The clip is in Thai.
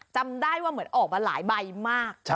จำได้ว่าเหมือนออกมาหลายใบมาก